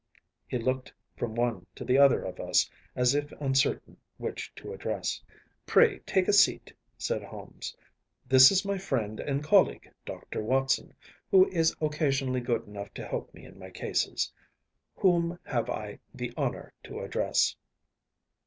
‚ÄĚ He looked from one to the other of us, as if uncertain which to address. “Pray take a seat,‚ÄĚ said Holmes. “This is my friend and colleague, Dr. Watson, who is occasionally good enough to help me in my cases. Whom have I the honour to address?